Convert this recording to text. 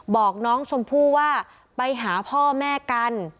บอกน้องชมพู่ว่าไปหาพ่อแม่กัน